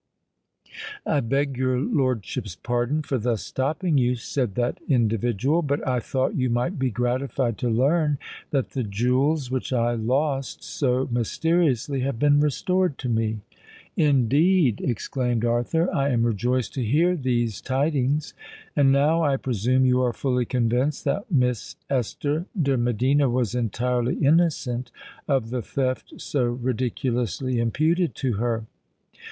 "I beg your lordship's pardon for thus stopping you," said that individual: "but I thought you might be gratified to learn that the jewels which I lost so mysteriously, have been restored to me." "Indeed!" exclaimed Arthur. "I am rejoiced to hear these tidings. And now, I presume, you are fully convinced that Miss Esther de Medina was entirely innocent of the theft so ridiculously imputed to her."